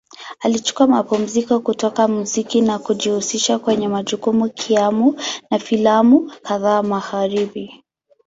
Alichukua mapumziko kutoka muziki na kujihusisha kwenye majukumu kaimu na filamu kadhaa Magharibi.